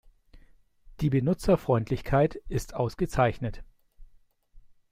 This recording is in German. Die Benutzerfreundlichkeit ist ausgezeichnet.